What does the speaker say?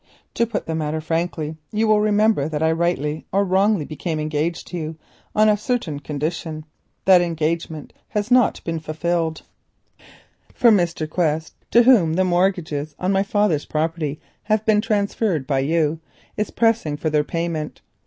To put the matter frankly, you will remember that I rightly or wrongly became engaged to you on a certain condition. That condition has not been fulfilled, for Mr. Quest, to whom the mortgages on my father's property have been transferred by you, is pressing for their payment.